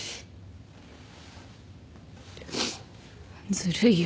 ずるいよ